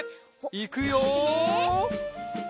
いくよ！